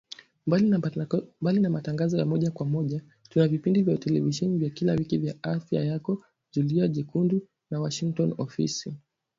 Mbali na matangazo ya moja kwa moja tuna vipindi vya televisheni vya kila wiki vya Afya Yako, Zulia Jekundu na Washington Ofisi